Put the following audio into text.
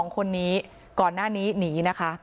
๒คนนี้ก่อนหน้านี้หนีนะคะ